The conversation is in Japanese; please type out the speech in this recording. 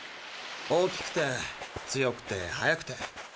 大きくて強くて速くて。